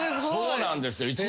そうなんですよ。